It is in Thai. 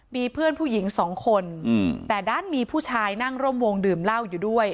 มีเพื่อนผู้หญิงสองคนแต่ด้านมีผู้ชายนั่งร่วมวงดื่มเหล้าอยู่ด้วย